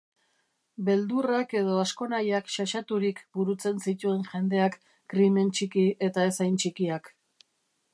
Beldurrak edo askonahiak xaxaturik burutzen zituen jendeak krimen txiki eta ez hain txikiak.